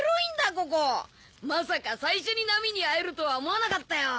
ここまさか最初にナミに会えるとは思わなかったよ